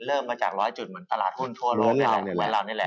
เริ่มมาจาก๑๐๐จุดเหมือนตลาดหุ้นทั่วโลกนี้แหละ